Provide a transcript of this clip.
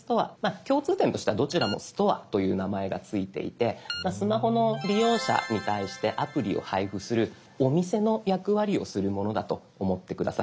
共通点としてはどちらも「ストア」という名前が付いていてスマホの利用者に対してアプリを配布するお店の役割をするものだと思って下さい。